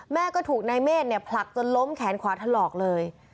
แม่ก็ถูกนายเมฆเนี่ยผลักจนล้มแขนขวาถลอกเลย